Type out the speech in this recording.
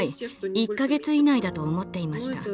１か月以内だと思っていました。